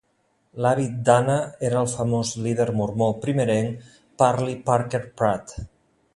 L'avi d'Anna era el famós líder Mormó primerenc Parley Parker Pratt.